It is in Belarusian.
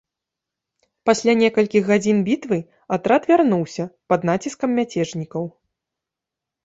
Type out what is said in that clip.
Пасля некалькіх гадзін бітвы атрад вярнуўся пад націскам мяцежнікаў.